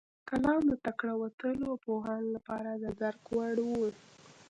کلام د تکړه او وتلیو پوهانو لپاره د درک وړ و.